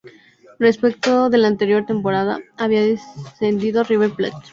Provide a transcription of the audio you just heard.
Respecto de la anterior temporada, había descendido River Plate.